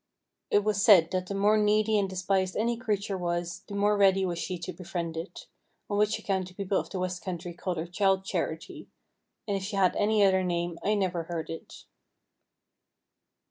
It was said that the more needy and despised any creature was, the more ready was she to befriend it: on which account the people of the west country called her Childe Charity, and if she had any other name, I never heard it.